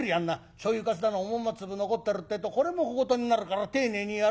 しょうゆかすだのおまんま粒残ってるってえとこれも小言になるから丁寧にやるんだ。